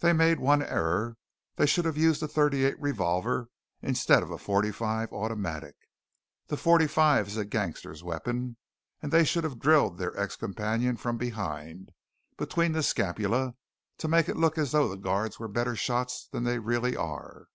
They made one error. They should have used a thirty eight revolver instead of a forty five automatic. The forty five is a gangster's weapon. And they should have drilled their ex companion from behind between the scapulae to make it look as though the guards were better shots than they really are."